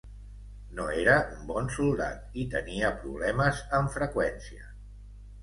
No era un bon soldat i tenia problemes amb freqüència.